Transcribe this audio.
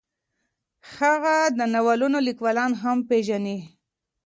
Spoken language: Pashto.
هغه د ناولونو لیکوالان هم پېژني.